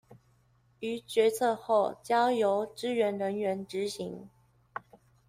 於決策後交由支援人員執行